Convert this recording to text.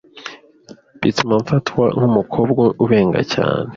bituma mfatwa nk’umukobwa ubenga cyane,